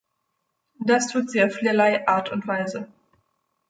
Das tut sie auf vielerlei Art und Weise.